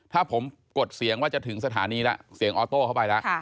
ถ้าผมกดเสียงว่าจะถึงสถานีแล้วเสียงออโต้เข้าไปแล้ว